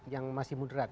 yang masih mudrat